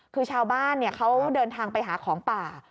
คือชาวบ้านเขาเดินทางไปหาของป่า